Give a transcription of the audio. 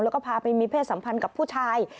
แล้วก็พาไปมีเพศสัมพันธ์กับผู้ชาย